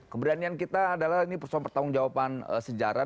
keberanian kita adalah ini persoalan pertanggung jawaban sejarah